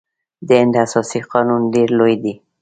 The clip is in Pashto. د هند اساسي قانون ډیر لوی دی.